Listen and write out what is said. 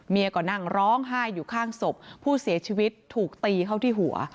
ก็นั่งร้องไห้อยู่ข้างศพผู้เสียชีวิตถูกตีเข้าที่หัว